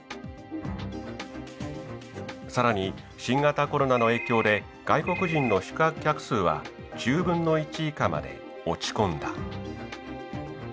更に新型コロナの影響で外国人の宿泊客数は１０分の１以下まで落ち込んだ。